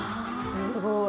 すごい。